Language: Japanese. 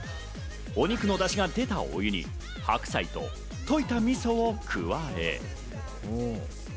お肉のだしが出たお湯にはくさいと、溶いたみそを加え。